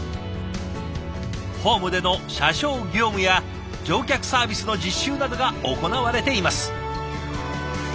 ホームでの車掌業務や乗客サービスの実習などが行われています。